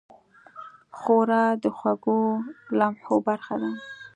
ښوروا د خوږو لمحو برخه ده.